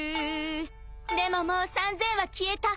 「でももう３，０００は消えた」